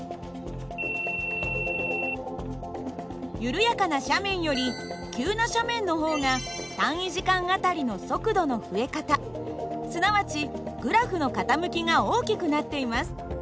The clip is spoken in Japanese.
緩やかな斜面より急な斜面の方が単位時間あたりの速度の増え方すなわちグラフの傾きが大きくなっています。